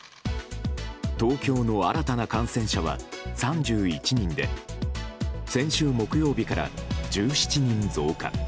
東京の新たな感染者は３１人で先週木曜日から１７人増加。